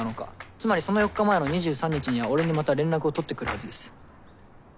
つまりその４日前の２３日には俺にまた連絡を取ってくるはずです。